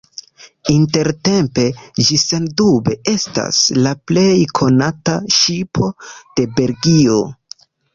Intertempe ĝi sendube estas la plej konata ŝipo de Belgio.